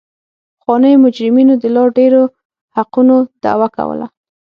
پخوانیو مجرمینو د لا ډېرو حقونو دعوه کوله.